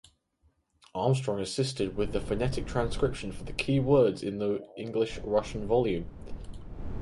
Armstrong assisted with the phonetic transcription for the keywords in the English–Russian volume.